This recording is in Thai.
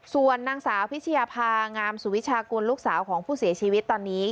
ส่วนนางสาวพิชยาภางามสุวิชากุลลูกสาวของผู้เสียชีวิตตอนนี้